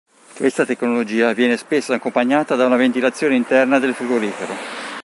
Questa tecnologia viene spesso accompagnata da una ventilazione interna del frigorifero.